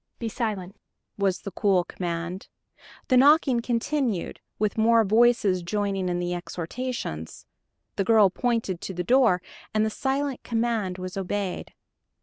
"Be silent," was the cool command. The knocking continued, with more voices joining in the exhortations. The girl pointed to the door, and the silent command was obeyed.